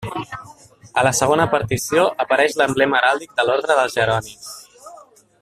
A la segona partició, apareix l'emblema heràldic de l'orde dels Jeronis.